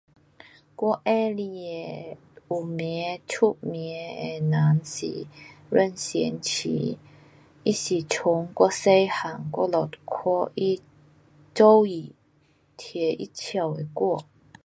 我喜欢的有名的，出名的人，是任贤齐，他是从我小汉我们就看他做戏，听他唱的歌。